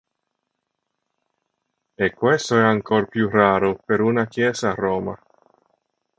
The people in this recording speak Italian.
E questo è ancor più raro per una chiesa a Roma.